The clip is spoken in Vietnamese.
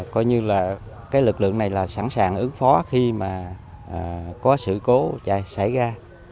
coi như là lực lượng này sẵn sàng ứng phó khi mà có sự cố xảy ra